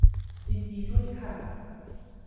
ยินดีด้วยค่ะ